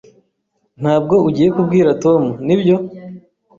Ntabwo ugiye kubwira Tom, nibyo?